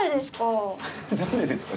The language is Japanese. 何でですかぁ。